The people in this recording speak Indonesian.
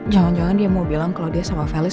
jangan jangan dia mau bilang kalau dia sama felis